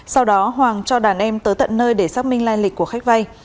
sau đó hoàng cho đàn em tới tận nơi để xác minh lai lịch của khách vay